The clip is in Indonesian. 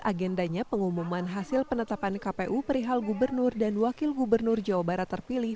agendanya pengumuman hasil penetapan kpu perihal gubernur dan wakil gubernur jawa barat terpilih